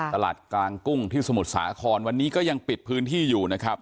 ตลาดกลางกุ้งที่สมุทรสาครวันนี้ก็ยังปิดพื้นที่อยู่นะครับ